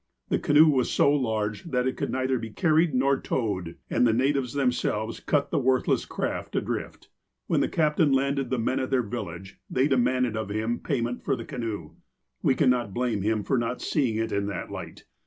The canoe was so large that it could neither be carried nor towed, and the natives themselves cut the worthless craft adrift. When the captain landed the men at their village, they demanded of him payment for the canoe. We cannot blame him for not seeing it in that light.